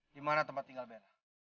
dimana tempat tinggal bella